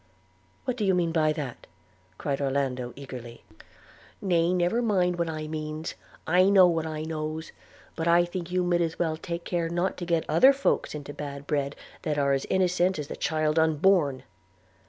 'What do you mean by that?' cried Orlando eagerly. 'Nay, never mind what I means – I knows what I knows; but I think you mid as well take care not to get other folks into bad bread, that are as innocent as the child unborn.'